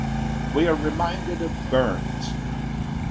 We are reminded of Burns.